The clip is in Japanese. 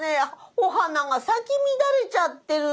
お花が咲き乱れちゃってるんだよ。